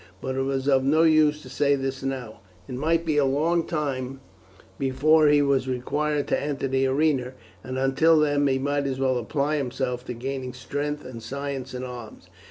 But it was of no use to say this now; it might be a long time before he was required to enter the arena, and until then he might as well apply himself to gaining strength and science in arms.